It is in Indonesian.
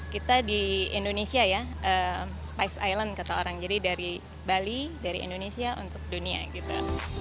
kita di indonesia ya spice island kata orang jadi dari bali dari indonesia untuk dunia gitu